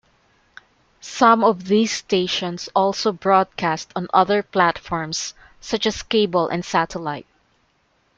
Some of these stations also broadcast on other platforms such as cable and satellite.